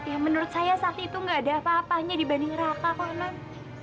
ya menurut saya sakti itu gak ada apa apanya dibanding raka kok non